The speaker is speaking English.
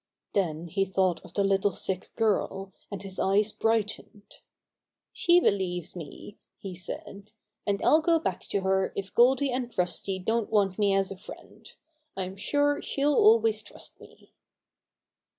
Then he thought of the little sick girl, and his eyes brightened. ^^She believes me," he said, "and I'll go back to her if Goldy and Rusty don't want me as a friend. I'm sure she'll always trust me."